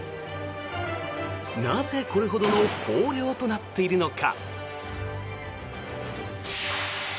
なぜ、これほどの豊漁となっているのか。